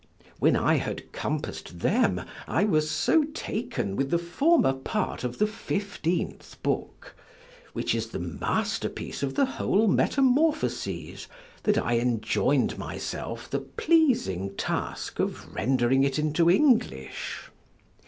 When I had compass'd them, I was so taken with the former part of the fifteenth book, (which is the masterpiece of the whole Metamorphoses,) that I enjoin'd myself the pleasing task of rend'ring it into English.